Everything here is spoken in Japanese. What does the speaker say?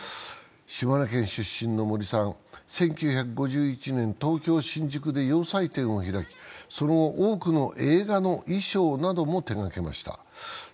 島根県出身の森さん、１９５１年東京・新宿で洋裁店を開き、その後、多くの映画の衣装なども手がけました。